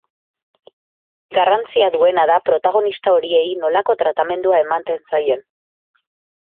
Garrantzia duena da protagonista horiei nolako tratamendua ematen zaien.